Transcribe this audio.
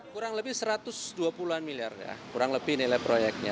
kurang lebih satu ratus dua puluh an miliar ya kurang lebih nilai proyeknya